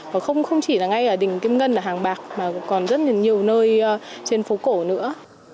và không chỉ là ngay ở đình kim ngân là hàng bạc mà còn rất nhiều nơi trên phố cổ nữa